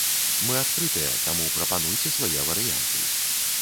Мы адкрытыя, таму прапануйце свае варыянты.